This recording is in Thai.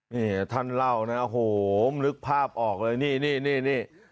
นี่ท่านเล่านะโอ้โหนึกภาพออกเลยนี่นี่